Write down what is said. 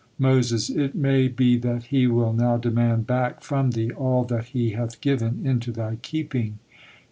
Moses: "It may be that He will now demand back from thee all that He hath given into thy keeping."